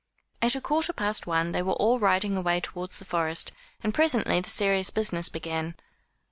At a quarter past one they were all riding away towards the Forest, and presently the serious business began.